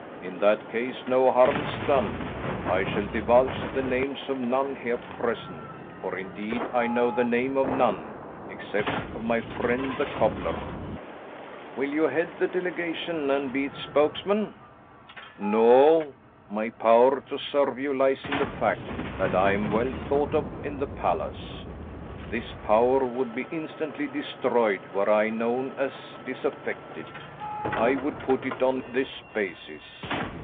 "In that case, no harm's done. I shall divulge the names of none here present, for indeed I know the name of none, except of my friend the cobbler." "Will you head the delegation, and be its spokesman?" "No. My power to serve you lies in the fact that I am well thought of in the palace. This power would be instantly destroyed were I known as disaffected. I would put it on this basis.